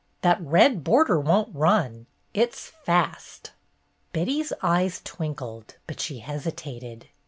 That red border won't run. It 's fast." Betty's eyes twinkled; but she hesitated.